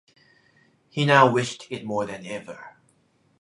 He now wished it more than ever.